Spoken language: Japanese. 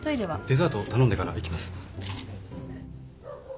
デザート頼んでから行きます。